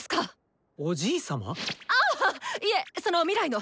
あいえその未来の！